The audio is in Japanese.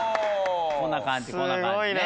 こんな感じこんな感じね。